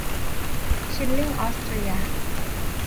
ชิลลิงออสเตรีย